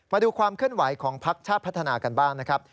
มาดูความเคลื่อนไหวของพักชาติพัฒนากันบ้างนะครับ